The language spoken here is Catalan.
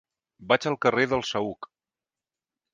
Vaig al carrer del Saüc.